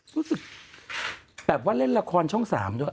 รู้สึกแบบว่าเล่นละครช่อง๓ด้วย